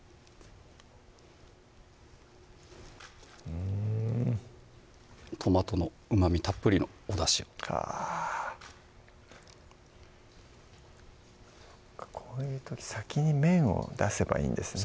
うんトマトのうまみたっぷりのおだしをあぁこういう時先に麺を出せばいいんですね